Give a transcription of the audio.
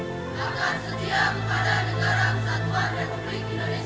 tanda setiap hari